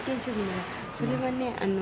それはね